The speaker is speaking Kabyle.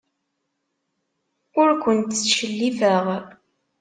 Ur kent-ttcellifeɣ.